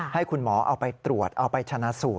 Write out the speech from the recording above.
ให้คุณหมอเอาไปตรวจเอาไปชนะสูตร